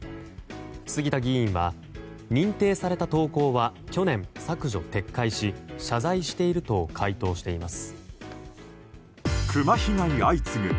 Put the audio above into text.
杉田議員は認定された投稿は去年、削除・撤回し謝罪していると回答しています。